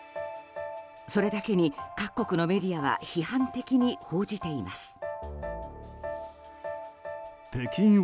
それだけに各国のメディアは批判的に報じています。